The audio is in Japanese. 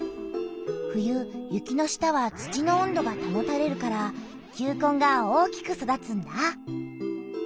冬雪の下は土の温度がたもたれるから球根が大きく育つんだ！